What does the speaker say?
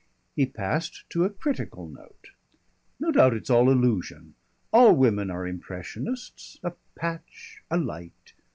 He passed to a critical note. "No doubt it's all illusion. All women are impressionists, a patch, a light.